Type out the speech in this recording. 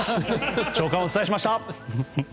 朝刊をお伝えしました。